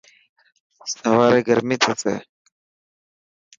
سواري گرمي ٿيسي.